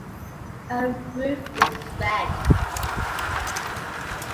Her roof is red.